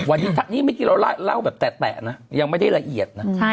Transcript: วันนี้เมื่อกี้เราเล่าแบบแตะนะยังไม่ได้ละเอียดนะ